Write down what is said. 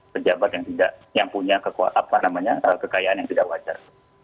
pejabat yang tidak yang punya kekuat apa namanya kekayaan yang tidak wajar